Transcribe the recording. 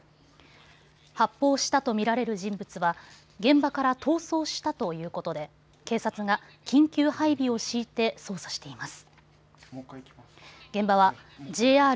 発砲したと見られる人物は現場から逃走したということで警察が緊急配備を敷いて捜査しています。